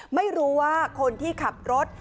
ไม่รู้ว่าคนที่ขับรถ